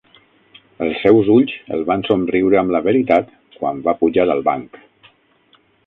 Els seus ulls el van somriure amb la veritat quan va pujar al banc.